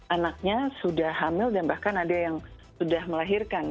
anaknya sudah hamil dan bahkan ada yang sudah melahirkan